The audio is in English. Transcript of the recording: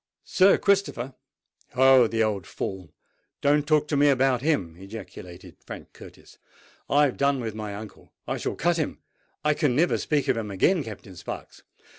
"Sir Christopher! Oh! the old fool—don't talk to me about him!" ejaculated Frank Curtis. "I have done with my uncle—I shall cut him—I can never speak to him again, Captain Sparks.